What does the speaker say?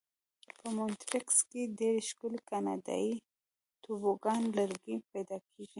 په مونټریکس کې ډېر ښکلي کاناډایي توبوګان لرګي پیدا کېږي.